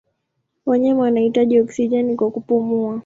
Wanyama wanahitaji oksijeni kwa kupumua.